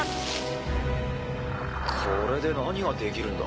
これで何ができるんだ？